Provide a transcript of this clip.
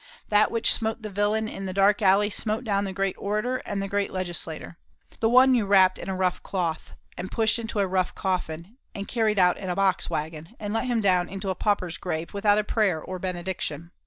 That which smote the villain in the dark alley smote down the great orator and the great legislator. The one you wrapped in a rough cloth, and pushed into a rough coffin, and carried out in a box waggon, and let him down into a pauper's grave, without a prayer or a benediction.